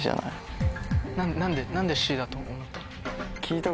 何でＣだと思ったの？